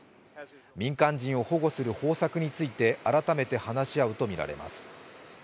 民間人を保護する方策について改めて話し合うとみられます。